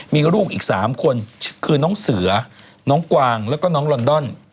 มีลูกอีก๓คนคือน้องเสือน้องกวางแล้วก็น้องลอนดอน